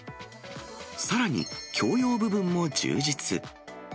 さらに、共用部分も充実。